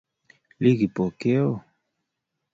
Ii Kipokeo?